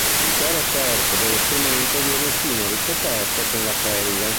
L'intero corpo dello strumento viene infine ricoperto con la pelle.